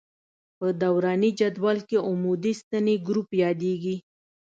په دوراني جدول کې عمودي ستنې ګروپ یادیږي.